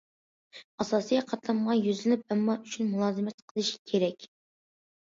ئاساسىي قاتلامغا يۈزلىنىپ، ئامما ئۈچۈن مۇلازىمەت قىلىش كېرەك.